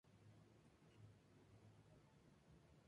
Enterrada en el Cementerio de Holy Cross, en Culver City, California.